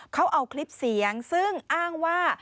เขาเอาคลิปเสียงซึ่งอ้างว่า